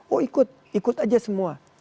oh ikut ikut aja semua